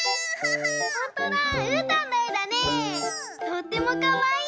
とってもかわいい！